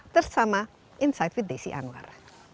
bersama insight budesia anwar